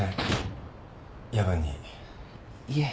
いえ。